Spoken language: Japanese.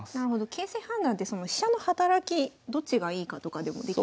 形勢判断ってその飛車の働きどっちがいいかとかでもできるんですね。